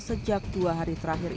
sejak dua hari terakhir